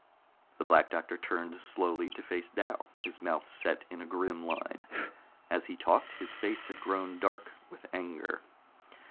The Black Doctor turned slowly to face Dal, his mouth set in a grim line. As he talked, his face had grown dark with anger.